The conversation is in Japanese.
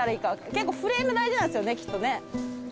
結構フレーム大事なんですよねきっとね。